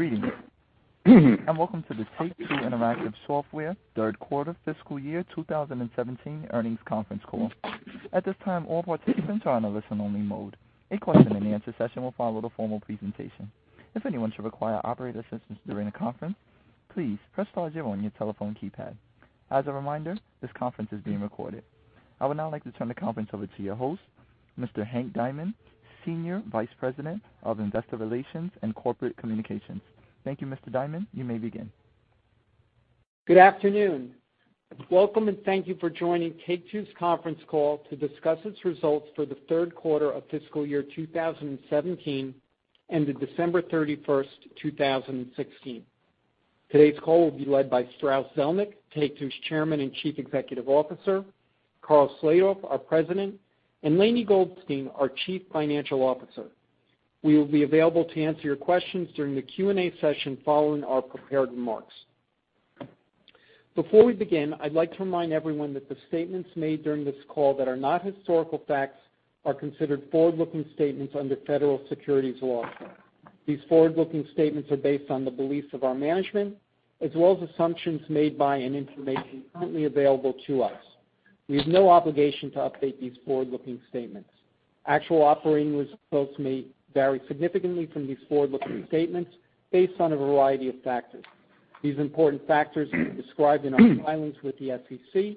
Greetings and welcome to the Take-Two Interactive Software third quarter fiscal year 2017 earnings conference call. At this time, all participants are on a listen-only mode. A question-and-answer session will follow the formal presentation. If anyone should require operator assistance during the conference, please press star zero on your telephone keypad. As a reminder, this conference is being recorded. I would now like to turn the conference over to your host, Mr. Hank Diamond, Senior Vice President of Investor Relations and Corporate Communications. Thank you, Mr. Diamond. You may begin. Good afternoon. Welcome, and thank you for joining Take-Two's conference call to discuss its results for the third quarter of fiscal year 2017 ended December 31st, 2016. Today's call will be led by Strauss Zelnick, Take-Two's Chairman and Chief Executive Officer, Karl Slatoff, our President, and Lainie Goldstein, our Chief Financial Officer. We will be available to answer your questions during the Q&A session following our prepared remarks. Before we begin, I'd like to remind everyone that the statements made during this call that are not historical facts are considered forward-looking statements under federal securities laws. These forward-looking statements are based on the beliefs of our management as well as assumptions made by and information currently available to us. We have no obligation to update these forward-looking statements. Actual operating results may vary significantly from these forward-looking statements based on a variety of factors. These important factors are described in our filings with the SEC,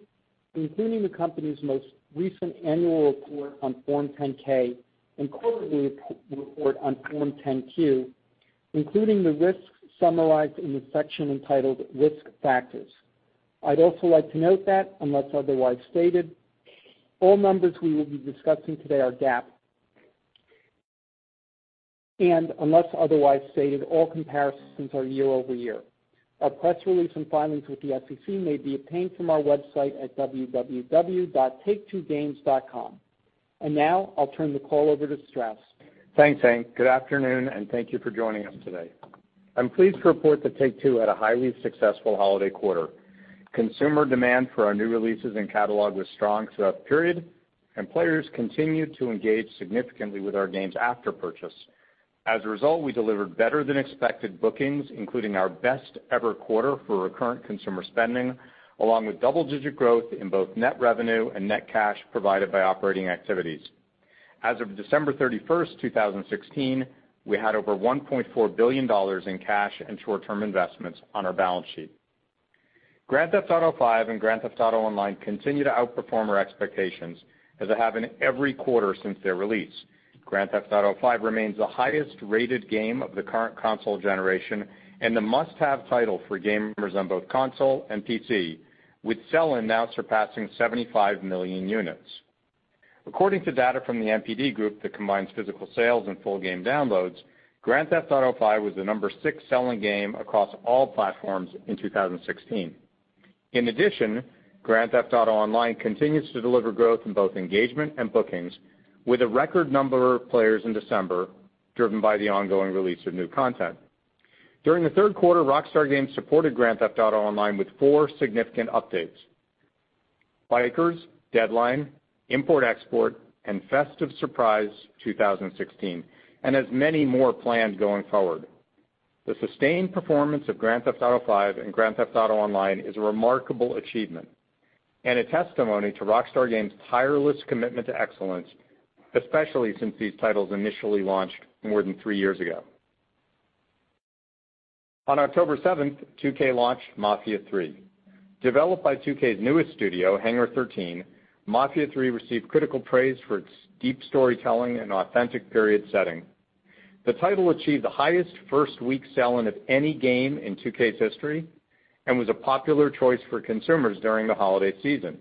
including the company's most recent annual report on Form 10-K and quarterly report on Form 10-Q, including the risks summarized in the section entitled Risk Factors. I'd also like to note that unless otherwise stated, all numbers we will be discussing today are GAAP. Unless otherwise stated, all comparisons are year-over-year. Our press release and filings with the SEC may be obtained from our website at www.take2games.com. Now I'll turn the call over to Strauss. Thanks, Hank. Good afternoon, and thank you for joining us today. I'm pleased to report that Take-Two had a highly successful holiday quarter. Consumer demand for our new releases and catalog was strong throughout the period, and players continued to engage significantly with our games after purchase. As a result, we delivered better than expected bookings, including our best ever quarter for recurrent consumer spending, along with double-digit growth in both net revenue and net cash provided by operating activities. As of December 31st, 2016, we had over $1.4 billion in cash and short-term investments on our balance sheet. Grand Theft Auto V and Grand Theft Auto Online continue to outperform our expectations as they have in every quarter since their release. Grand Theft Auto V remains the highest rated game of the current console generation and a must-have title for gamers on both console and PC, with sell-in now surpassing 75 million units. According to data from the NPD Group that combines physical sales and full game downloads, Grand Theft Auto V was the number six selling game across all platforms in 2016. In addition, Grand Theft Auto Online continues to deliver growth in both engagement and bookings with a record number of players in December driven by the ongoing release of new content. During the third quarter, Rockstar Games supported Grand Theft Auto Online with four significant updates, Bikers, Deadline, Import/Export, and Festive Surprise 2016, and has many more planned going forward. The sustained performance of Grand Theft Auto V and Grand Theft Auto Online is a remarkable achievement and a testimony to Rockstar Games' tireless commitment to excellence, especially since these titles initially launched more than three years ago. On October 7th, 2K launched Mafia III. Developed by 2K's newest studio, Hangar 13, Mafia III received critical praise for its deep storytelling and authentic period setting. The title achieved the highest first week sell-in of any game in 2K's history and was a popular choice for consumers during the holiday season.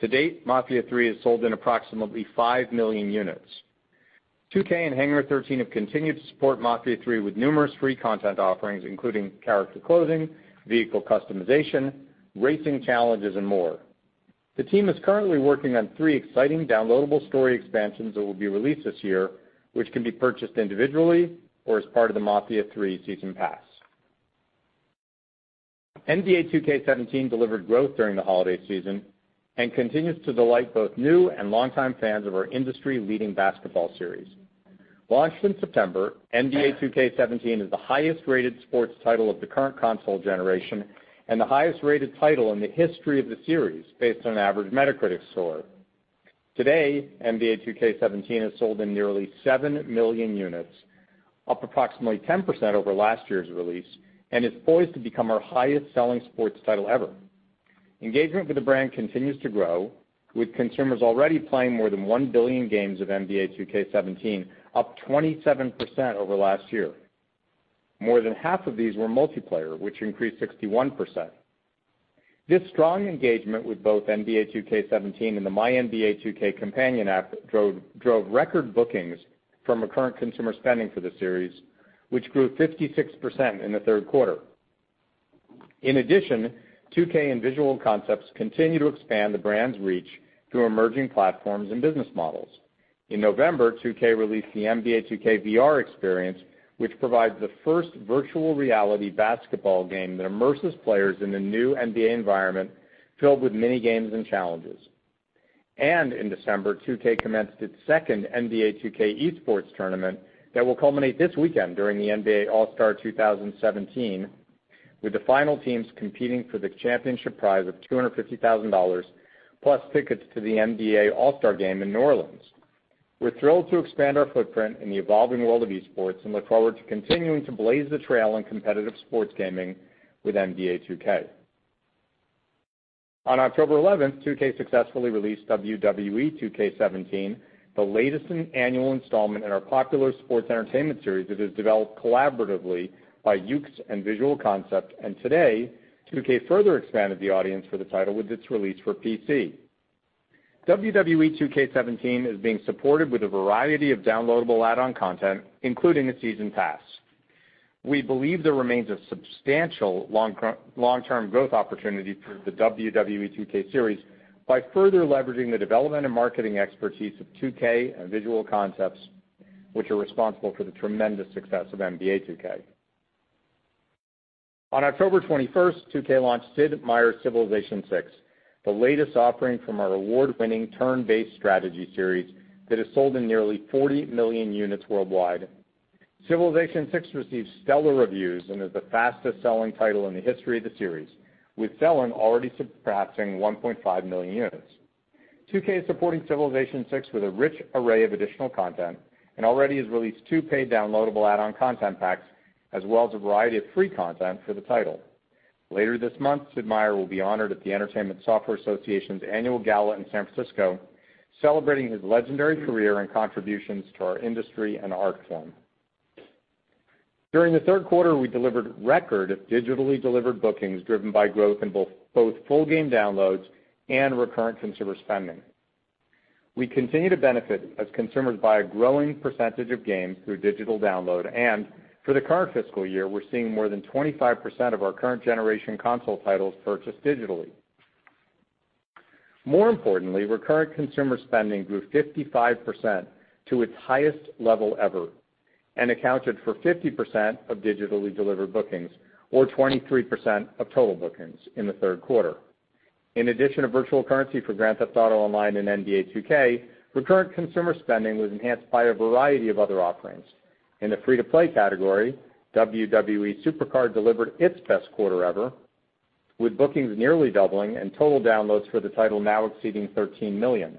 To date, Mafia III has sold in approximately five million units. 2K and Hangar 13 have continued to support Mafia III with numerous free content offerings, including character clothing, vehicle customization, racing challenges, and more. The team is currently working on three exciting downloadable story expansions that will be released this year, which can be purchased individually or as part of the Mafia III Season Pass. NBA 2K17 delivered growth during the holiday season and continues to delight both new and longtime fans of our industry-leading basketball series. Launched in September, NBA 2K17 is the highest rated sports title of the current console generation and the highest rated title in the history of the series based on average Metacritic score. Today, NBA 2K17 has sold in nearly seven million units, up approximately 10% over last year's release, and is poised to become our highest-selling sports title ever. Engagement with the brand continues to grow, with consumers already playing more than one billion games of NBA 2K17, up 27% over last year. More than half of these were multiplayer, which increased 61%. This strong engagement with both NBA 2K17 and the MyNBA2K companion app drove record bookings from recurrent consumer spending for the series, which grew 56% in the third quarter. In addition, 2K and Visual Concepts continue to expand the brand's reach through emerging platforms and business models. In November, 2K released the NBA 2K VR Experience, which provides the first virtual reality basketball game that immerses players in the new NBA environment filled with mini-games and challenges. In December, 2K commenced its second NBA 2K Esports Tournament that will culminate this weekend during the NBA All-Star 2017, with the final teams competing for the championship prize of $250,000, plus tickets to the NBA All-Star Game in New Orleans. We're thrilled to expand our footprint in the evolving world of esports and look forward to continuing to blaze the trail in competitive sports gaming with NBA 2K. On October 11th, 2K successfully released WWE 2K17, the latest in annual installment in our popular sports entertainment series that is developed collaboratively by Yuke's and Visual Concepts, and today, 2K further expanded the audience for the title with its release for PC. WWE 2K17 is being supported with a variety of downloadable add-on content, including a season pass. We believe there remains a substantial long-term growth opportunity for the WWE 2K series by further leveraging the development and marketing expertise of 2K and Visual Concepts, which are responsible for the tremendous success of NBA 2K. On October 21st, 2K launched Sid Meier's Civilization VI, the latest offering from our award-winning turn-based strategy series that has sold in nearly 40 million units worldwide. Civilization VI received stellar reviews and is the fastest-selling title in the history of the series, with selling already surpassing 1.5 million units. 2K is supporting Civilization VI with a rich array of additional content and already has released two paid downloadable add-on content packs, as well as a variety of free content for the title. Later this month, Sid Meier will be honored at the Entertainment Software Association's annual gala in San Francisco, celebrating his legendary career and contributions to our industry and art form. During the third quarter, we delivered record digitally delivered bookings, driven by growth in both full game downloads and recurrent consumer spending. We continue to benefit as consumers buy a growing percentage of games through digital download, and for the current fiscal year, we're seeing more than 25% of our current generation console titles purchased digitally. More importantly, recurrent consumer spending grew 55% to its highest level ever and accounted for 50% of digitally delivered bookings or 23% of total bookings in the third quarter. In addition to virtual currency for Grand Theft Auto Online and NBA 2K, recurrent consumer spending was enhanced by a variety of other offerings. In the free-to-play category, WWE SuperCard delivered its best quarter ever, with bookings nearly doubling and total downloads for the title now exceeding 13 million.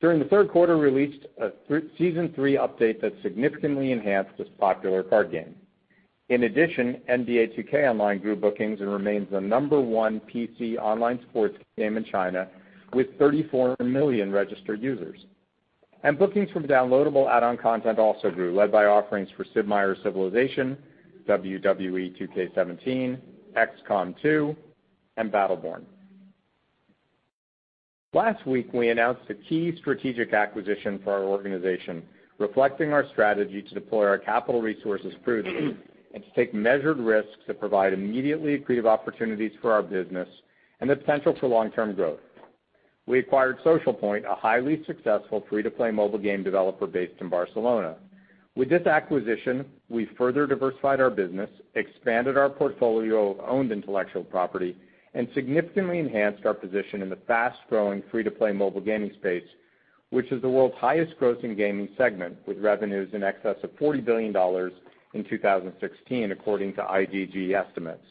During the third quarter, we released a season three update that significantly enhanced this popular card game. In addition, NBA 2K Online grew bookings and remains the number one PC online sports game in China, with 34 million registered users. Bookings from downloadable add-on content also grew, led by offerings for Sid Meier's Civilization, WWE 2K17, XCOM 2, and Battleborn. Last week, we announced a key strategic acquisition for our organization, reflecting our strategy to deploy our capital resources prudently and to take measured risks that provide immediately accretive opportunities for our business and the potential for long-term growth. We acquired Social Point, a highly successful free-to-play mobile game developer based in Barcelona. With this acquisition, we further diversified our business, expanded our portfolio of owned intellectual property, and significantly enhanced our position in the fast-growing free-to-play mobile gaming space, which is the world's highest grossing gaming segment, with revenues in excess of $40 billion in 2016, according to IDG estimates.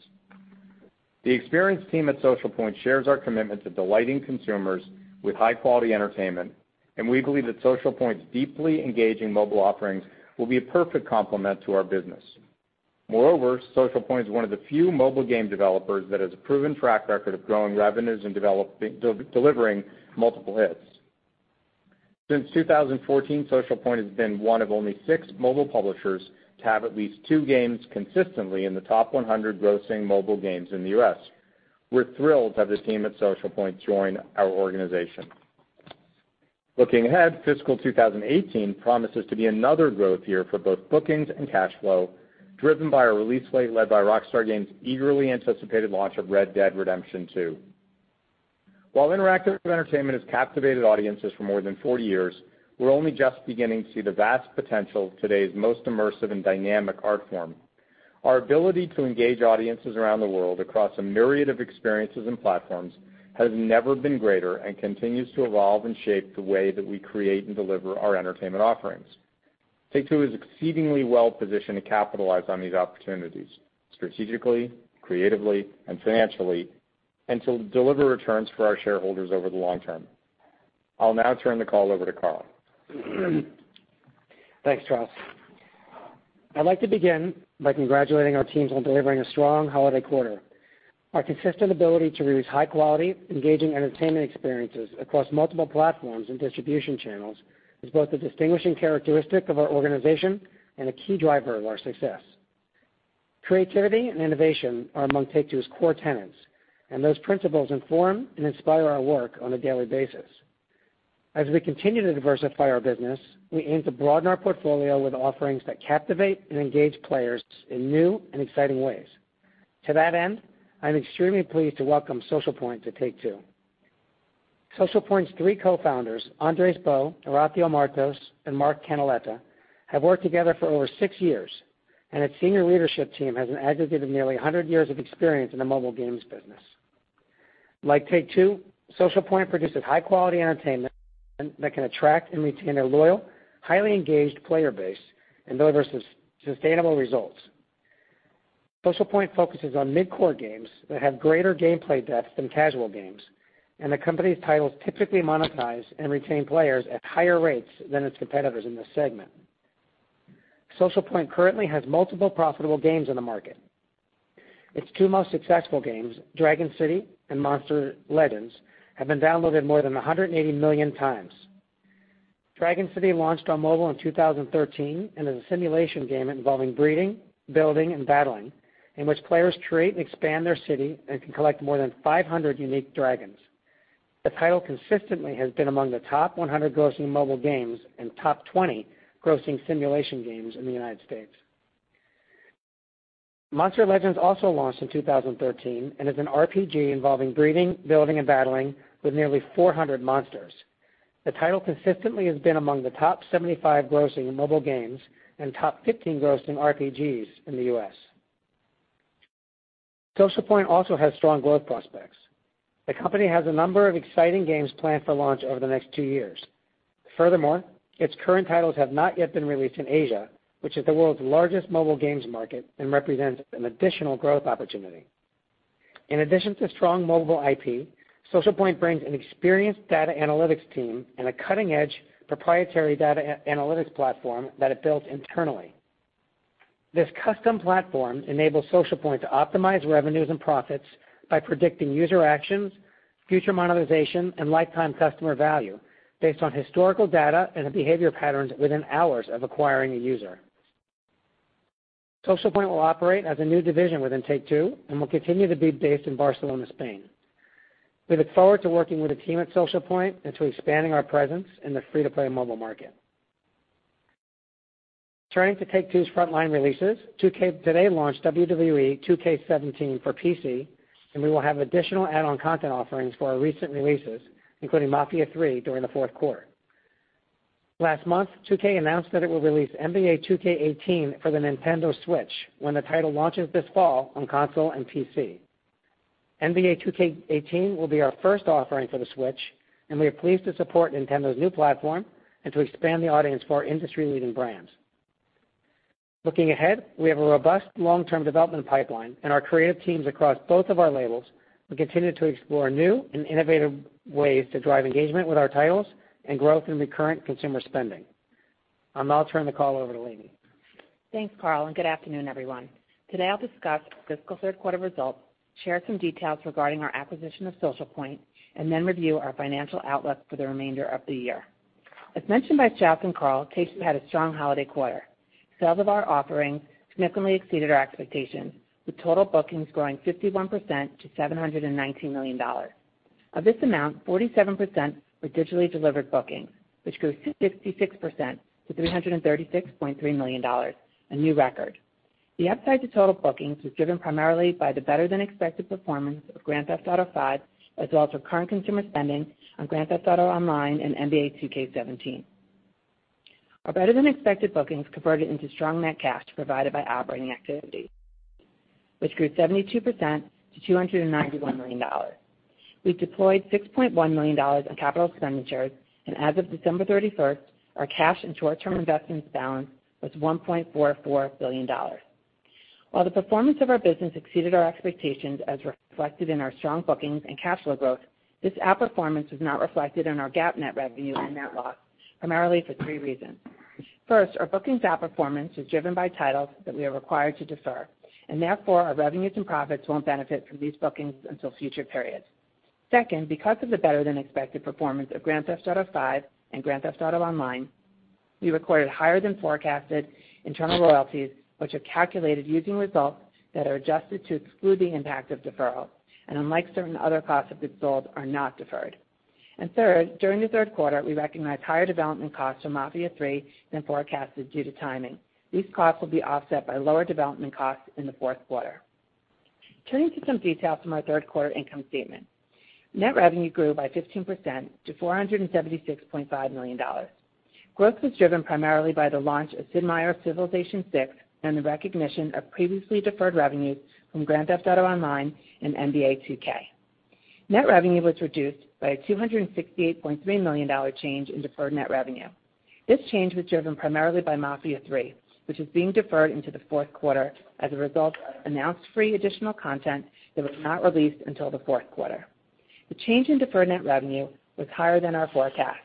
The experienced team at Social Point shares our commitment to delighting consumers with high-quality entertainment, and we believe that Social Point's deeply engaging mobile offerings will be a perfect complement to our business. Moreover, Social Point is one of the few mobile game developers that has a proven track record of growing revenues and delivering multiple hits. Since 2014, Social Point has been one of only six mobile publishers to have at least two games consistently in the top 100 grossing mobile games in the U.S. We're thrilled to have the team at Social Point join our organization. Looking ahead, fiscal 2018 promises to be another growth year for both bookings and cash flow, driven by our release slate, led by Rockstar Games' eagerly anticipated launch of Red Dead Redemption 2. While interactive entertainment has captivated audiences for more than 40 years, we're only just beginning to see the vast potential of today's most immersive and dynamic art form. Our ability to engage audiences around the world across a myriad of experiences and platforms has never been greater and continues to evolve and shape the way that we create and deliver our entertainment offerings. Take-Two is exceedingly well-positioned to capitalize on these opportunities strategically, creatively, and financially, and to deliver returns for our shareholders over the long term. I'll now turn the call over to Karl. Thanks, Strauss. I'd like to begin by congratulating our teams on delivering a strong holiday quarter. Our consistent ability to release high quality, engaging entertainment experiences across multiple platforms and distribution channels is both a distinguishing characteristic of our organization and a key driver of our success. Creativity and innovation are among Take-Two's core tenets, and those principles inform and inspire our work on a daily basis. As we continue to diversify our business, we aim to broaden our portfolio with offerings that captivate and engage players in new and exciting ways. To that end, I am extremely pleased to welcome Social Point to Take-Two. Social Point's three co-founders, Andrés Bou, Horacio Martos, and Marc Canaleta, have worked together for over six years. Its senior leadership team has an aggregated nearly 100 years of experience in the mobile games business. Like Take-Two, Social Point produces high-quality entertainment that can attract and retain a loyal, highly engaged player base and delivers sustainable results. Social Point focuses on mid-core games that have greater gameplay depth than casual games, and the company's titles typically monetize and retain players at higher rates than its competitors in this segment. Social Point currently has multiple profitable games on the market. Its two most successful games, "Dragon City" and "Monster Legends," have been downloaded more than 180 million times. "Dragon City" launched on mobile in 2013 and is a simulation game involving breeding, building, and battling in which players create and expand their city and can collect more than 500 unique dragons. The title consistently has been among the top 100 grossing mobile games and top 20 grossing simulation games in the United States. Monster Legends" also launched in 2013 and is an RPG involving breeding, building, and battling with nearly 400 monsters. The title consistently has been among the top 75 grossing mobile games and top 15 grossing RPGs in the U.S. Social Point also has strong growth prospects. The company has a number of exciting games planned for launch over the next two years. Furthermore, its current titles have not yet been released in Asia, which is the world's largest mobile games market and represents an additional growth opportunity. In addition to strong mobile IP, Social Point brings an experienced data analytics team and a cutting-edge proprietary data analytics platform that it built internally. This custom platform enables Social Point to optimize revenues and profits by predicting user actions, future monetization, and lifetime customer value based on historical data and the behavior patterns within hours of acquiring a user. Socialpoint will operate as a new division within Take-Two and will continue to be based in Barcelona, Spain. We look forward to working with the team at Socialpoint and to expanding our presence in the free-to-play mobile market. Turning to Take-Two's frontline releases, 2K today launched "WWE 2K17" for PC, and we will have additional add-on content offerings for our recent releases, including "Mafia III" during the fourth quarter. Last month, 2K announced that it will release "NBA 2K18" for the Nintendo Switch when the title launches this fall on console and PC. "NBA 2K18" will be our first offering for the Switch, and we are pleased to support Nintendo's new platform and to expand the audience for our industry-leading brands. Looking ahead, we have a robust long-term development pipeline, and our creative teams across both of our labels will continue to explore new and innovative ways to drive engagement with our titles and growth in recurrent consumer spending. I'll now turn the call over to Lainie. Thanks, Karl, and good afternoon, everyone. Today, I'll discuss fiscal third quarter results, share some details regarding our acquisition of Socialpoint, and then review our financial outlook for the remainder of the year. As mentioned by Strauss and Karl, Take-Two had a strong holiday quarter. Sales of our offerings significantly exceeded our expectations, with total bookings growing 51% to $719 million. Of this amount, 47% were digitally delivered bookings, which grew 66% to $336.3 million, a new record. The upside to total bookings was driven primarily by the better-than-expected performance of "Grand Theft Auto V," as well as recurrent consumer spending on "Grand Theft Auto Online" and "NBA 2K17." Our better-than-expected bookings converted into strong net cash provided by operating activities, which grew 72% to $291 million. We deployed $6.1 million on capital expenditures, and as of December 31st, our cash and short-term investments balance was $1.44 billion. While the performance of our business exceeded our expectations, as reflected in our strong bookings and cash flow growth, this outperformance was not reflected in our GAAP net revenue and net loss, primarily for three reasons. First, our bookings outperformance was driven by titles that we are required to defer, and therefore, our revenues and profits won't benefit from these bookings until future periods. Second, because of the better-than-expected performance of "Grand Theft Auto V" and "Grand Theft Auto Online," we recorded higher-than-forecasted internal royalties, which are calculated using results that are adjusted to exclude the impact of deferral, and unlike certain other costs of goods sold, are not deferred. Third, during the third quarter, we recognized higher development costs for "Mafia III" than forecasted due to timing. These costs will be offset by lower development costs in the fourth quarter. Turning to some details from our third quarter income statement. Net revenue grew by 15% to $476.5 million. Growth was driven primarily by the launch of "Sid Meier's Civilization VI" and the recognition of previously deferred revenues from "Grand Theft Auto Online" and "NBA 2K." Net revenue was reduced by a $268.3 million change in deferred net revenue. This change was driven primarily by "Mafia III," which is being deferred into the fourth quarter as a result of announced free additional content that was not released until the fourth quarter. The change in deferred net revenue was higher than our forecast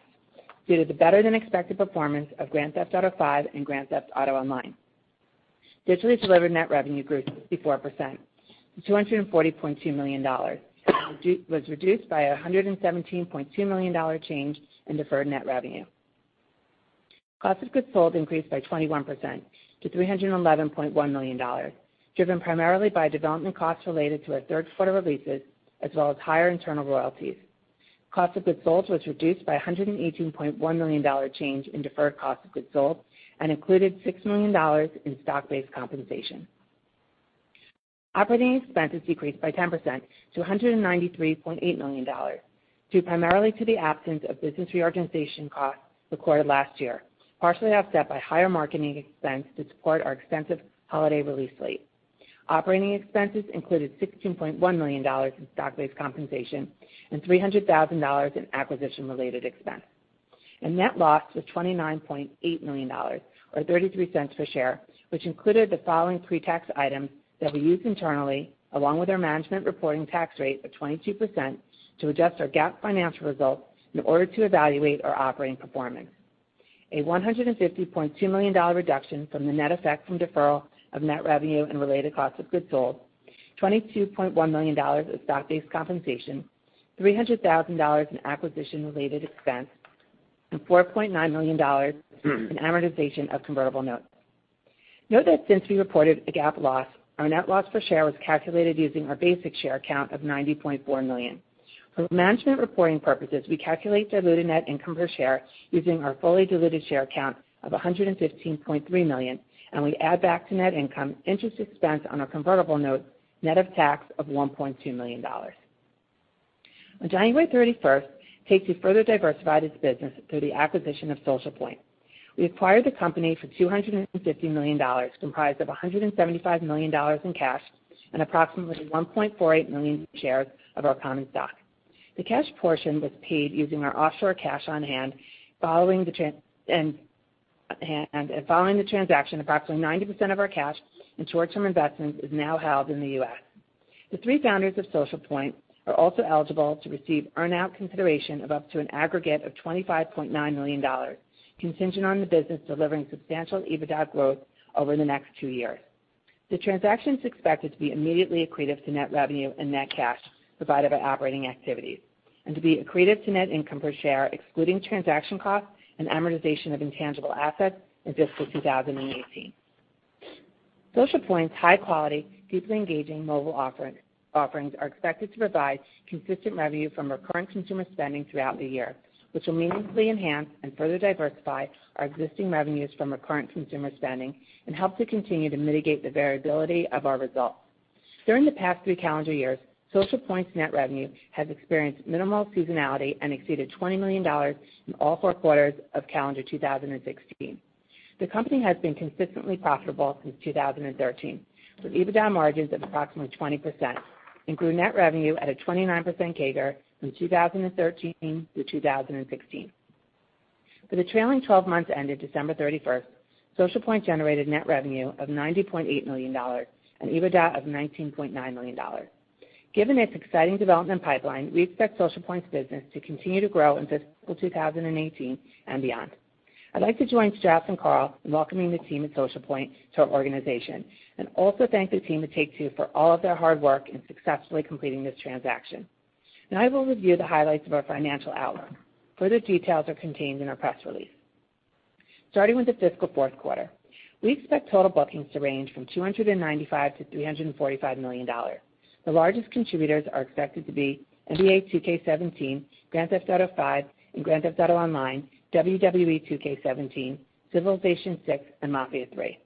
due to the better-than-expected performance of "Grand Theft Auto V" and "Grand Theft Auto Online." Digitally delivered net revenue grew 64% to $240.2 million, and was reduced by $117.2 million change in deferred net revenue. Cost of goods sold increased by 21% to $311.1 million, driven primarily by development costs related to our third quarter releases, as well as higher internal royalties. Cost of goods sold was reduced by $118.1 million change in deferred cost of goods sold and included $6 million in stock-based compensation. Operating expense has decreased by 10% to $193.8 million, due primarily to the absence of business reorganization costs recorded last year, partially offset by higher marketing expense to support our extensive holiday release slate. Operating expenses included $16.1 million in stock-based compensation and $300,000 in acquisition-related expense. Net loss was $29.8 million or $0.33 per share, which included the following pre-tax items that we use internally, along with our management reporting tax rate of 22%, to adjust our GAAP financial results in order to evaluate our operating performance. A $150.2 million reduction from the net effect from deferral of net revenue and related cost of goods sold, $22.1 million of stock-based compensation, $300,000 in acquisition-related expense, and $4.9 million in amortization of convertible notes. Note that since we reported a GAAP loss, our net loss per share was calculated using our basic share count of 90.4 million. For management reporting purposes, we calculate diluted net income per share using our fully diluted share count of 115.3 million, and we add back to net income interest expense on our convertible notes, net of tax of $1.2 million. On January 31st, Take-Two further diversified its business through the acquisition of Social Point. We acquired the company for $250 million, comprised of $175 million in cash and approximately 1.48 million shares of our common stock. The cash portion was paid using our offshore cash on hand. Following the transaction, approximately 90% of our cash and short-term investments is now held in the U.S. The three founders of Social Point are also eligible to receive earn-out consideration of up to an aggregate of $25.9 million, contingent on the business delivering substantial EBITDA growth over the next two years. The transaction is expected to be immediately accretive to net revenue and net cash provided by operating activities, and to be accretive to net income per share, excluding transaction costs and amortization of intangible assets in fiscal 2018. Social Point's high-quality, deeply engaging mobile offerings are expected to provide consistent revenue from recurrent consumer spending throughout the year, which will meaningfully enhance and further diversify our existing revenues from recurrent consumer spending and help to continue to mitigate the variability of our results. During the past three calendar years, Social Point's net revenue has experienced minimal seasonality and exceeded $20 million in all four quarters of calendar 2016. The company has been consistently profitable since 2013, with EBITDA margins of approximately 20%, and grew net revenue at a 29% CAGR from 2013 to 2016. For the trailing 12 months ended December 31st, Socialpoint generated net revenue of $90.8 million and EBITDA of $19.9 million. Given its exciting development pipeline, we expect Social Point's business to continue to grow in fiscal 2018 and beyond. I'd like to join Strauss and Karl in welcoming the team at Socialpoint to our organization, and also thank the team at Take-Two for all of their hard work in successfully completing this transaction. I will review the highlights of our financial outlook. Further details are contained in our press release. Starting with the fiscal fourth quarter, we expect total bookings to range from $295 million to $345 million. The largest contributors are expected to be NBA 2K17, Grand Theft Auto V and Grand Theft Auto Online, WWE 2K17, Sid Meier's Civilization VI, and Mafia III.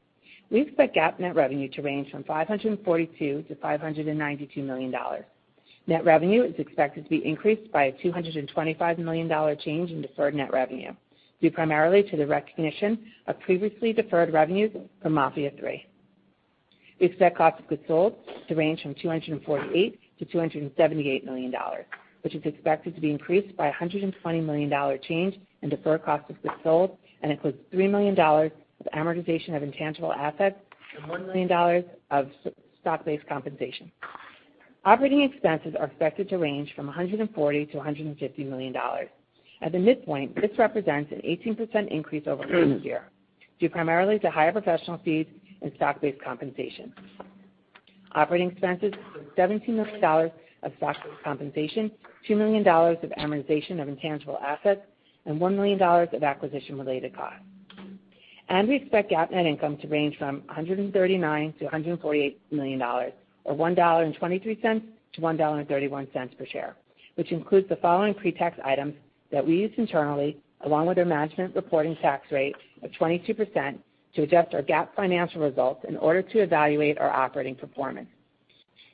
We expect GAAP net revenue to range from $542 million to $592 million. Net revenue is expected to be increased by a $225 million change in deferred net revenue, due primarily to the recognition of previously deferred revenues from Mafia III. We expect cost of goods sold to range from $248 million to $278 million, which is expected to be increased by a $120 million change in deferred cost of goods sold and includes $3 million of amortization of intangible assets and $1 million of stock-based compensation. Operating expenses are expected to range from $140 million to $150 million. At the midpoint, this represents an 18% increase over last year due primarily to higher professional fees and stock-based compensation. Operating expenses include $17 million of stock-based compensation, $2 million of amortization of intangible assets, and $1 million of acquisition-related costs. We expect GAAP net income to range from $139 million to $148 million, or $1.23 to $1.31 per share, which includes the following pre-tax items that we use internally, along with our management reporting tax rate of 22%, to adjust our GAAP financial results in order to evaluate our operating performance.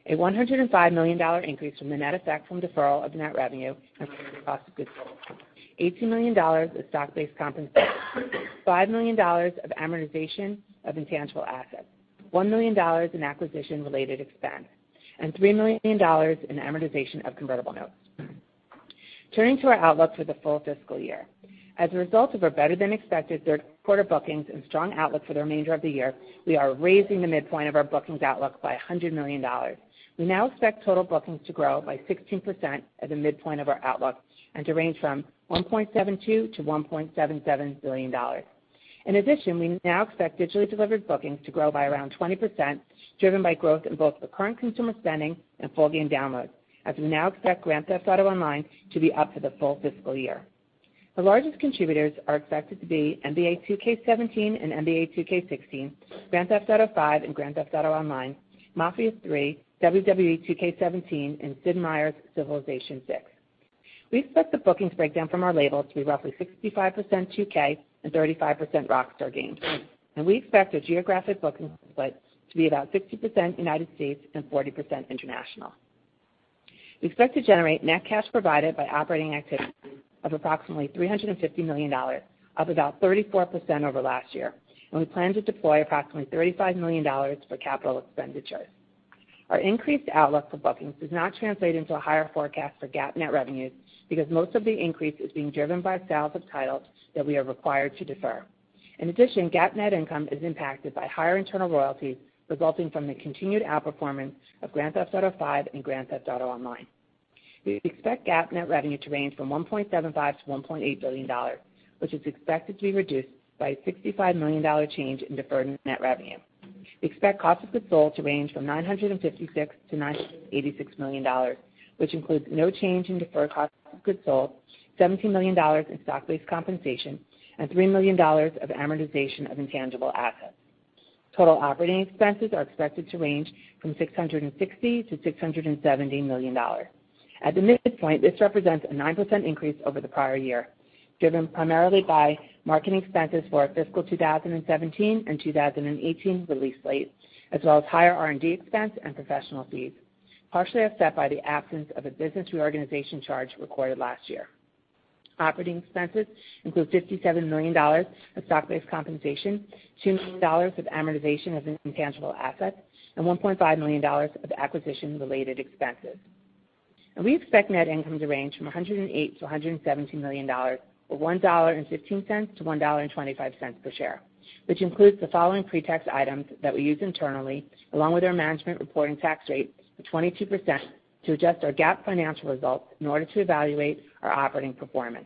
A $105 million increase from the net effect from deferral of net revenue and related cost of goods sold, $18 million of stock-based compensation, $5 million of amortization of intangible assets, $1 million in acquisition-related expense, and $3 million in amortization of convertible notes. Turning to our outlook for the full fiscal year. As a result of our better-than-expected third quarter bookings and strong outlook for the remainder of the year, we are raising the midpoint of our bookings outlook by $100 million. We now expect total bookings to grow by 16% at the midpoint of our outlook and to range from $1.72 billion to $1.77 billion. In addition, we now expect digitally delivered bookings to grow by around 20%, driven by growth in both recurrent consumer spending and full game downloads, as we now expect Grand Theft Auto Online to be up for the full fiscal year. The largest contributors are expected to be NBA 2K17 and NBA 2K16, Grand Theft Auto V and Grand Theft Auto Online, Mafia III, WWE 2K17, and Sid Meier's Civilization VI. We expect the bookings breakdown from our label to be roughly 65% 2K and 35% Rockstar Games. We expect the geographic booking split to be about 60% United States and 40% international. We expect to generate net cash provided by operating activities of approximately $350 million, up about 34% over last year, and we plan to deploy approximately $35 million for capital expenditures. Our increased outlook for bookings does not translate into a higher forecast for GAAP net revenues, because most of the increase is being driven by sales of titles that we are required to defer. In addition, GAAP net income is impacted by higher internal royalties resulting from the continued outperformance of Grand Theft Auto V and Grand Theft Auto Online. We expect GAAP net revenue to range from $1.75 billion-$1.8 billion, which is expected to be reduced by a $65 million change in deferred net revenue. We expect cost of goods sold to range from $956 million-$986 million, which includes no change in deferred cost of goods sold, $17 million in stock-based compensation, and $3 million of amortization of intangible assets. Total operating expenses are expected to range from $660 million-$670 million. At the midpoint, this represents a 9% increase over the prior year, driven primarily by marketing expenses for our fiscal 2017 and 2018 release slate, as well as higher R&D expense and professional fees, partially offset by the absence of a business reorganization charge recorded last year. Operating expenses include $57 million of stock-based compensation, $2 million of amortization of intangible assets, and $1.5 million of acquisition-related expenses. We expect net income to range from $108 million-$117 million, or $1.15-$1.25 per share, which includes the following pre-tax items that we use internally along with our management reporting tax rate of 22% to adjust our GAAP financial results in order to evaluate our operating performance.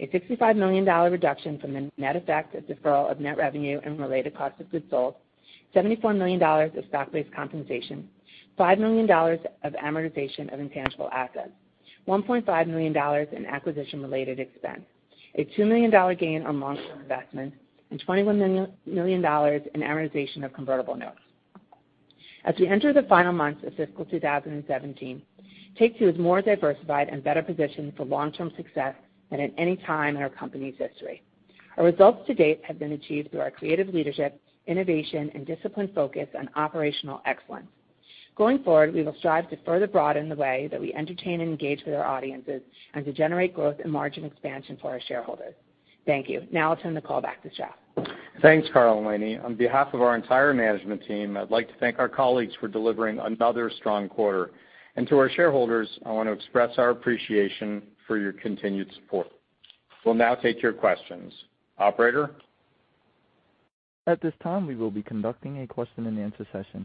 A $65 million reduction from the net effect of deferral of net revenue and related cost of goods sold, $74 million of stock-based compensation, $5 million of amortization of intangible assets, $1.5 million in acquisition-related expense, a $2 million gain on long-term investments, and $21 million in amortization of convertible notes. As we enter the final months of fiscal 2017, Take-Two is more diversified and better positioned for long-term success than at any time in our company's history. Our results to date have been achieved through our creative leadership, innovation, and disciplined focus on operational excellence. Going forward, we will strive to further broaden the way that we entertain and engage with our audiences and to generate growth and margin expansion for our shareholders. Thank you. Now I'll turn the call back to Strauss. Thanks, Karl and Lainie. On behalf of our entire management team, I'd like to thank our colleagues for delivering another strong quarter. To our shareholders, I want to express our appreciation for your continued support. We'll now take your questions. Operator? At this time, we will be conducting a question-and-answer session.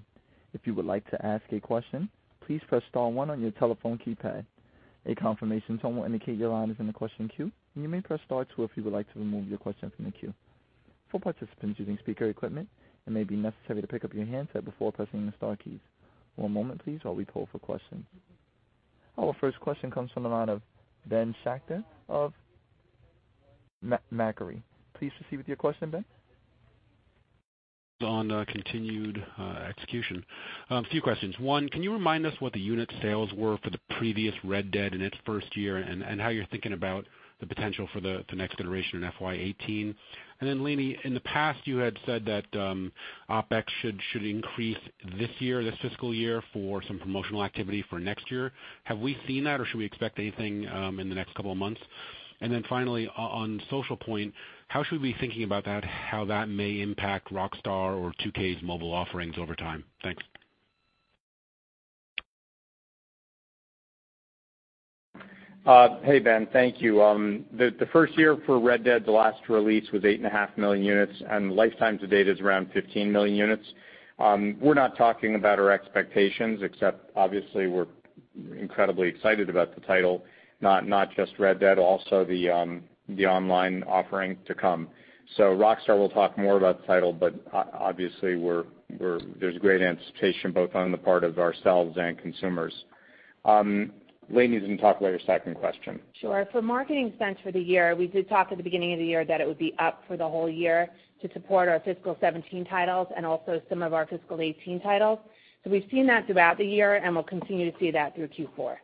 If you would like to ask a question, please press star one on your telephone keypad. A confirmation tone will indicate your line is in the question queue, and you may press star two if you would like to remove your question from the queue. For participants using speaker equipment, it may be necessary to pick up your handset before pressing the star keys. One moment, please, while we poll for questions. Our first question comes from the line of Benjamin Schachter of Macquarie. Please proceed with your question, Ben. On continued execution, a few questions. One, can you remind us what the unit sales were for the previous "Red Dead" in its first year and how you're thinking about the potential for the next generation in FY 2018? Lainie, in the past, you had said that OpEx should increase this year, this fiscal year, for some promotional activity for next year. Have we seen that, or should we expect anything in the next couple of months? Finally, on Social Point, how should we be thinking about how that may impact Rockstar or 2K's mobile offerings over time? Thanks. Hey, Ben. Thank you. The first year for "Red Dead," the last release was 8.5 million units, and lifetime to date is around 15 million units. We're not talking about our expectations, except obviously we're incredibly excited about the title, not just "Red Dead," also the online offering to come. Rockstar will talk more about the title, but obviously there's great anticipation both on the part of ourselves and consumers. Lainie can talk about your second question. Marketing spend for the year, we did talk at the beginning of the year that it would be up for the whole year to support our fiscal 2017 titles and also some of our fiscal 2018 titles. We've seen that throughout the year, and we'll continue to see that through Q4.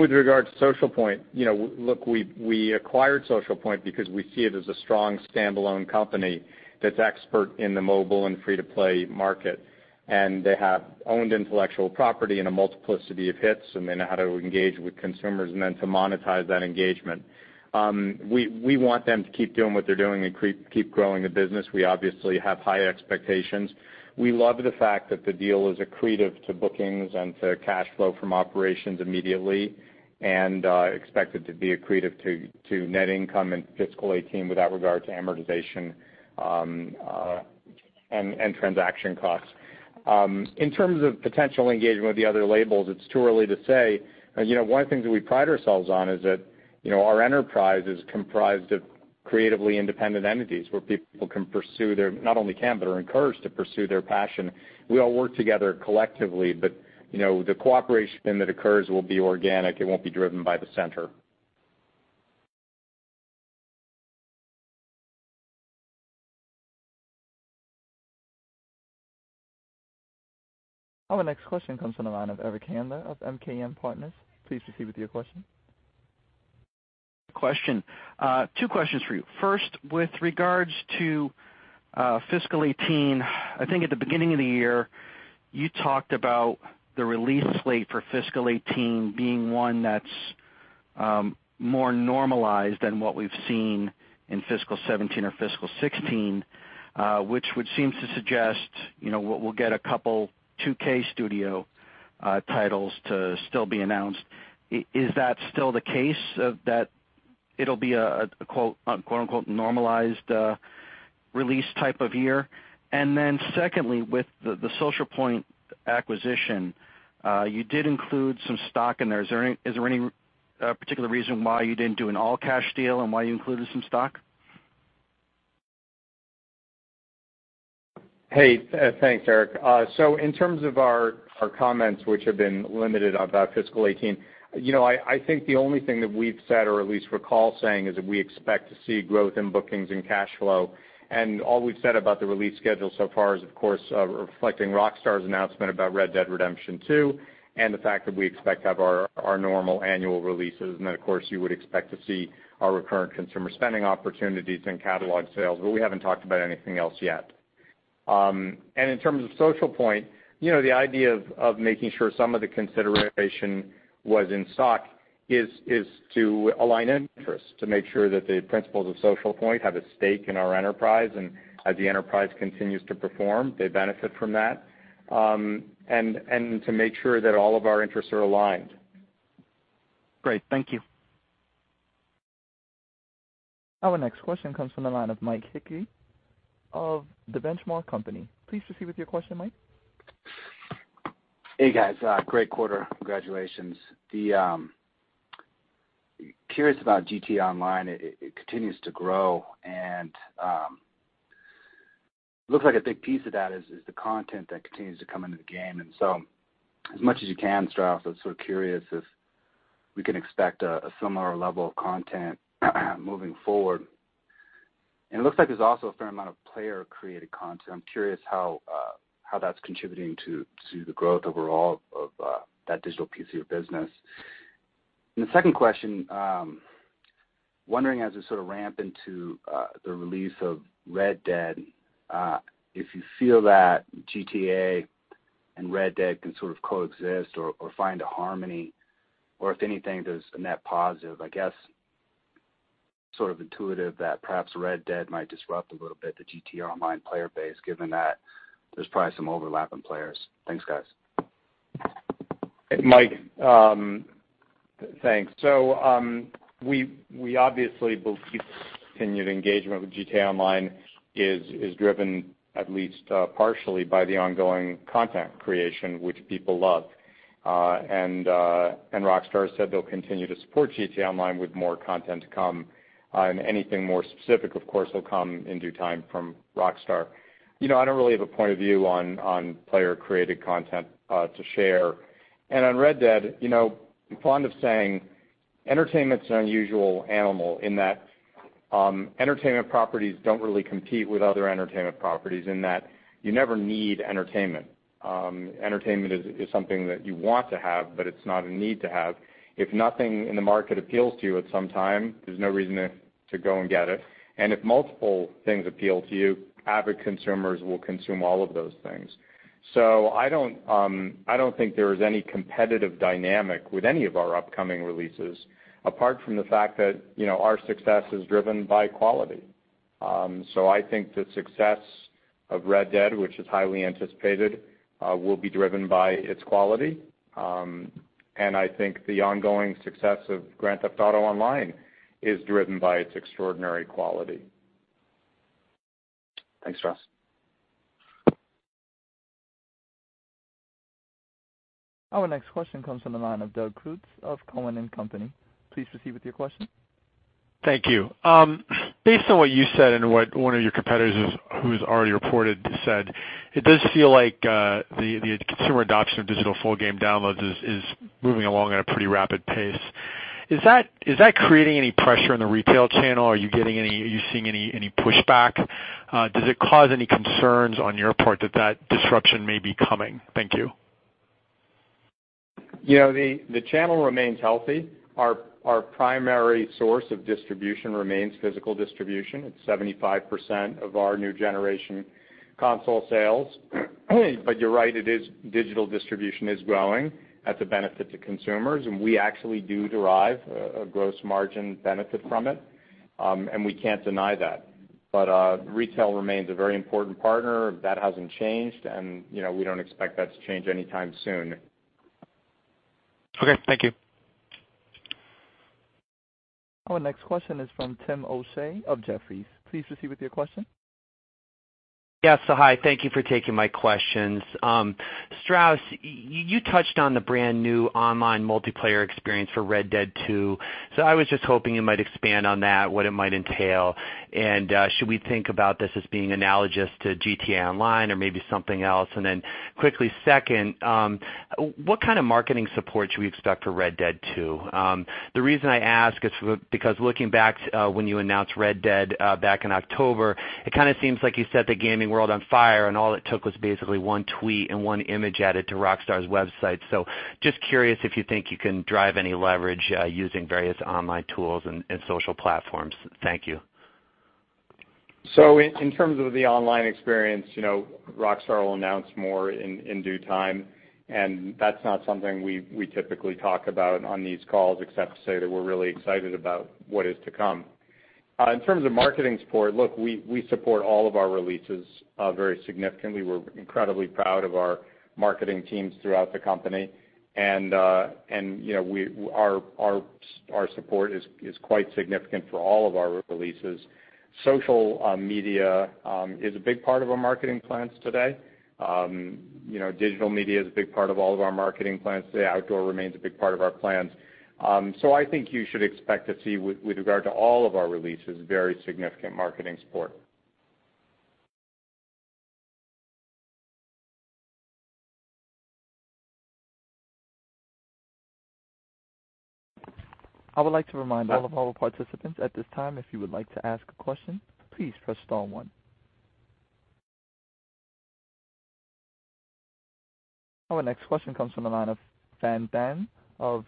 With regard to Social Point, look, we acquired Social Point because we see it as a strong standalone company that's expert in the mobile and free-to-play market. They have owned intellectual property in a multiplicity of hits, and they know how to engage with consumers and then to monetize that engagement. We want them to keep doing what they're doing and keep growing the business. We obviously have high expectations. We love the fact that the deal is accretive to bookings and to cash flow from operations immediately, and expect it to be accretive to net income in fiscal 2018 with regard to amortization and transaction costs. In terms of potential engagement with the other labels, it's too early to say. One of the things that we pride ourselves on is that our enterprise is comprised of creatively independent entities where people can pursue their, not only can, but are encouraged to pursue their passion. We all work together collectively, the cooperation that occurs will be organic. It won't be driven by the center Our next question comes from the line of Eric Handler of MKM Partners. Please proceed with your question. Question. Two questions for you. First, with regards to fiscal 2018, I think at the beginning of the year, you talked about the release slate for fiscal 2018 being one that's more normalized than what we've seen in fiscal 2017 or fiscal 2016, which would seem to suggest we'll get a couple 2K Studio titles to still be announced. Is that still the case that it'll be a "normalized" release type of year? Secondly, with the Socialpoint acquisition, you did include some stock in there. Is there any particular reason why you didn't do an all-cash deal and why you included some stock? Thanks, Eric. In terms of our comments, which have been limited about fiscal 2018, I think the only thing that we've said or at least recall saying is that we expect to see growth in bookings and cash flow. All we've said about the release schedule so far is, of course, reflecting Rockstar's announcement about Red Dead Redemption 2 and the fact that we expect to have our normal annual releases. Of course, you would expect to see our recurrent consumer spending opportunities and catalog sales, we haven't talked about anything else yet. In terms of Socialpoint, the idea of making sure some of the consideration was in stock is to align interest, to make sure that the principles of Socialpoint have a stake in our enterprise, and as the enterprise continues to perform, they benefit from that. To make sure that all of our interests are aligned. Great. Thank you. Our next question comes from the line of Mike Hickey of The Benchmark Company. Please proceed with your question, Mike. Hey, guys. Great quarter. Congratulations. Curious about GTA Online. It continues to grow, and looks like a big piece of that is the content that continues to come into the game. As much as you can, Strauss, I was sort of curious if we can expect a similar level of content moving forward. It looks like there's also a fair amount of player-created content. I'm curious how that's contributing to the growth overall of that digital PC business. The second question, wondering as a sort of ramp into the release of Red Dead, if you feel that GTA and Red Dead can sort of coexist or find a harmony, or if anything, there's a net positive. I guess, sort of intuitive that perhaps Red Dead might disrupt a little bit the GTA Online player base, given that there's probably some overlap in players. Thanks, guys. Mike, thanks. We obviously believe continued engagement with GTA Online is driven at least partially by the ongoing content creation, which people love. Rockstar said they'll continue to support GTA Online with more content to come. Anything more specific, of course, will come in due time from Rockstar. I don't really have a point of view on player-created content to share. On Red Dead, fond of saying entertainment's an unusual animal in that entertainment properties don't really compete with other entertainment properties in that you never need entertainment. Entertainment is something that you want to have, but it's not a need to have. If nothing in the market appeals to you at some time, there's no reason to go and get it. If multiple things appeal to you, avid consumers will consume all of those things. I don't think there is any competitive dynamic with any of our upcoming releases, apart from the fact that our success is driven by quality. I think the success of Red Dead, which is highly anticipated, will be driven by its quality. I think the ongoing success of Grand Theft Auto Online is driven by its extraordinary quality. Thanks, Strauss. Our next question comes from the line of Doug Creutz of Cowen and Company. Please proceed with your question. Thank you. Based on what you said and what one of your competitors who's already reported said, it does feel like the consumer adoption of digital full game downloads is moving along at a pretty rapid pace. Is that creating any pressure in the retail channel? Are you seeing any pushback? Does it cause any concerns on your part that that disruption may be coming? Thank you. The channel remains healthy. Our primary source of distribution remains physical distribution. It's 75% of our new generation console sales. You're right, digital distribution is growing. That's a benefit to consumers, and we actually do derive a gross margin benefit from it, and we can't deny that. Retail remains a very important partner. That hasn't changed, and we don't expect that to change anytime soon. Okay, thank you. Our next question is from Timothy O'Shea of Jefferies. Please proceed with your question. Hi. Thank you for taking my questions. Strauss, you touched on the brand-new online multiplayer experience for "Red Dead 2," I was just hoping you might expand on that, what it might entail. Should we think about this as being analogous to GTA Online or maybe something else? Quickly second, what kind of marketing support should we expect for "Red Dead 2?" The reason I ask is because looking back when you announced "Red Dead" back in October, it kind of seems like you set the gaming world on fire and all it took was basically one tweet and one image added to Rockstar's website. Just curious if you think you can drive any leverage using various online tools and social platforms. Thank you. In terms of the online experience, Rockstar will announce more in due time, that's not something we typically talk about on these calls except to say that we're really excited about what is to come. In terms of marketing support, look, we support all of our releases very significantly. We're incredibly proud of our marketing teams throughout the company. Our support is quite significant for all of our releases. Social media is a big part of our marketing plans today. Digital media is a big part of all of our marketing plans today. Outdoor remains a big part of our plans. I think you should expect to see, with regard to all of our releases, very significant marketing support. I would like to remind all of our participants at this time, if you would like to ask a question, please press star one. Our next question comes from the line of San Phan of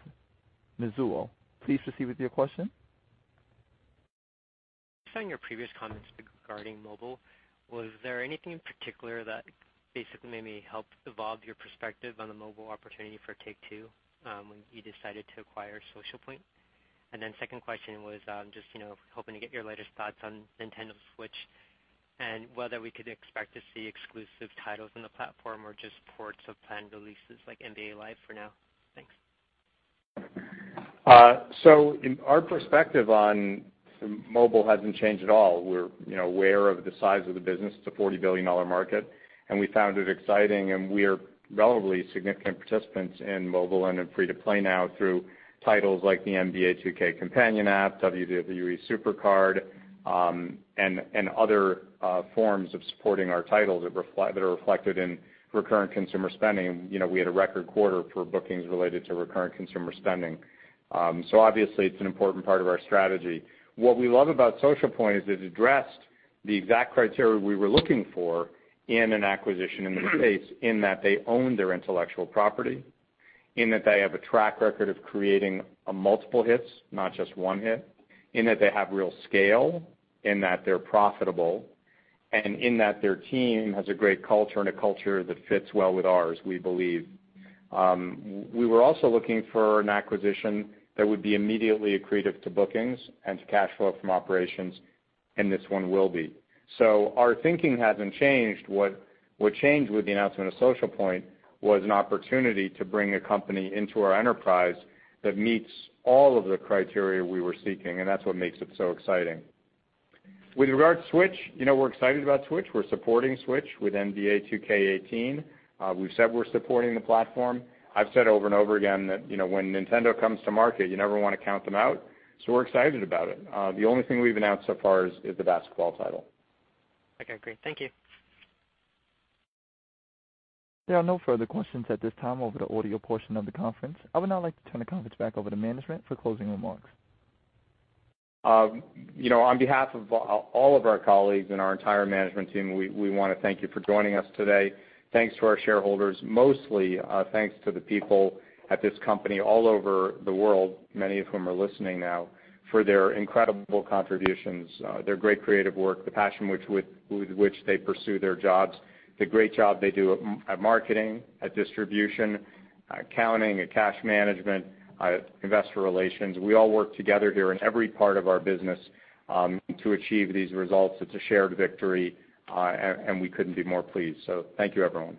Mizuho. Please proceed with your question. Based on your previous comments regarding mobile, was there anything in particular that basically maybe helped evolve your perspective on the mobile opportunity for Take-Two when you decided to acquire Socialpoint? Second question was just hoping to get your latest thoughts on Nintendo Switch and whether we could expect to see exclusive titles in the platform or just ports of planned releases like NBA Live for now. Thanks. Our perspective on mobile hasn't changed at all. We're aware of the size of the business. It's a $40 billion market, and we found it exciting, and we are relatively significant participants in mobile and in free-to-play now through titles like the NBA 2K companion app, WWE SuperCard, and other forms of supporting our titles that are reflected in recurrent consumer spending. We had a record quarter for bookings related to recurrent consumer spending. Obviously it's an important part of our strategy. What we love about Socialpoint is it addressed the exact criteria we were looking for in an acquisition in this space, in that they own their intellectual property, in that they have a track record of creating multiple hits, not just one hit, in that they have real scale, in that they're profitable, and in that their team has a great culture and a culture that fits well with ours, we believe. We were also looking for an acquisition that would be immediately accretive to bookings and to cash flow from operations, and this one will be. Our thinking hasn't changed. What changed with the announcement of Socialpoint was an opportunity to bring a company into our enterprise that meets all of the criteria we were seeking, and that's what makes it so exciting. With regard to Switch, we're excited about Switch. We're supporting Switch with NBA 2K18. We've said we're supporting the platform. I've said over and over again that when Nintendo comes to market, you never want to count them out. We're excited about it. The only thing we've announced so far is the basketball title. Okay, great. Thank you. There are no further questions at this time over the audio portion of the conference. I would now like to turn the conference back over to management for closing remarks. On behalf of all of our colleagues and our entire management team, we want to thank you for joining us today. Thanks to our shareholders, mostly thanks to the people at this company all over the world, many of whom are listening now, for their incredible contributions, their great creative work, the passion with which they pursue their jobs, the great job they do at marketing, at distribution, accounting, at cash management, investor relations. We all work together here in every part of our business to achieve these results. It's a shared victory, and we couldn't be more pleased. Thank you, everyone.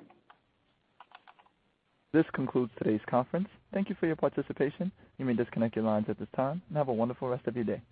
This concludes today's conference. Thank you for your participation. You may disconnect your lines at this time, and have a wonderful rest of your day.